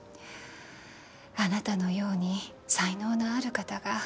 あなたのように才能のある方が